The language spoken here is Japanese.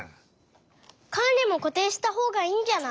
カンリもこていしたほうがいいんじゃない？